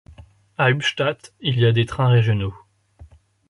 À Ubstadt, il y a des trains régionaux.